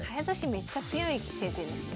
めっちゃ強い先生ですね。